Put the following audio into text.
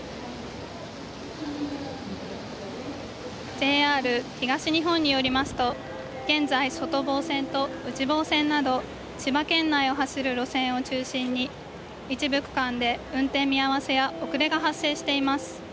ＪＲ東日本によりますと、現在外房線と内房線など千葉県内を走る路線を中心に一部区間で運転見合わせや遅れが発生しています。